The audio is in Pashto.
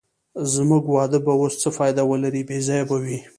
زموږ واده به اوس څه فایده ولرې، بې ځایه به وي.